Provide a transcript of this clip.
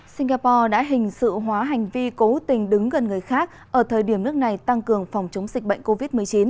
singapore đã hình sự hóa hành vi cố tình đứng gần người khác ở thời điểm nước này tăng cường phòng chống dịch bệnh covid một mươi chín